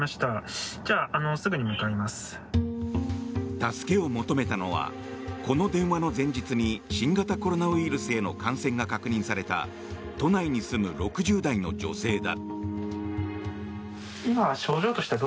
助けを求めたのはこの電話の前日に新型コロナウイルスへの感染が確認された都内に住む６０代の女性だ。